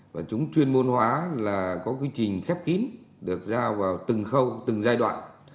và chúng chuyên môn hóa là có quy trình khép kín được giao vào từng khâu từng giai đoạn